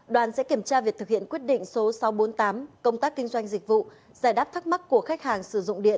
đoàn sẽ kiểm tra việc thực hiện quyết định số sáu trăm bốn mươi tám công tác kinh doanh dịch vụ giải đáp thắc mắc của khách hàng sử dụng điện